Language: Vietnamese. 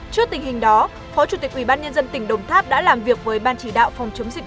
trước tình hình đó phó chủ tịch ubnd tỉnh đồng tháp đã làm việc với ban chỉ đạo phòng chống dịch